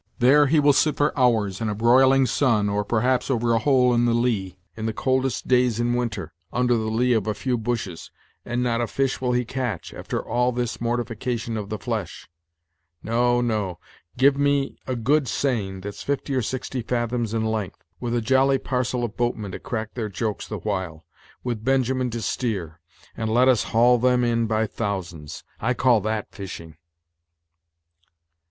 There he will sit for hours, in a broiling sun or, perhaps, over a hole in the lee, in the coldest days in winter, under the lee of a few bushes, and not a fish will he catch, after all this mortification of the flesh. No, no give me a good seine that's fifty or sixty fathoms in length, with a jolly parcel of boatmen to crack their jokes the while, with Benjamin to steer, and let us haul them in by thousands; I call that fishing."